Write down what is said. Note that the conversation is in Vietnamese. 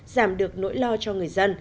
giảm được nỗi lo cho người dân